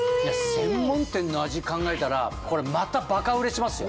専門店の味考えたらまたバカ売れしますよ。